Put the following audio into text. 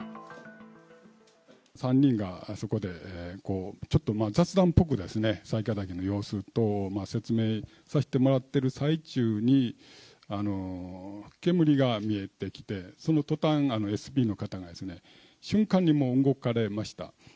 ３人がそこで、ちょっとまあ、雑談っぽく雑賀崎の様子等を説明させてもらってる最中に、煙が見えてきて、そのとたん、ＳＰの方が瞬間にもう動かれました。